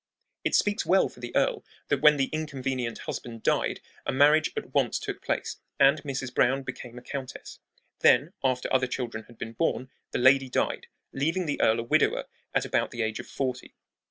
It speaks well for the earl that when the inconvenient husband died a marriage at once took place and Mrs. Browne became a countess. Then, after other children had been born, the lady died, leaving the earl a widower at about the age of forty.